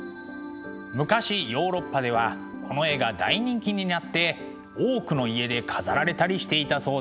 昔ヨーロッパではこの絵が大人気になって多くの家で飾られたりしていたそうです。